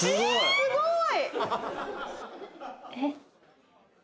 すごい！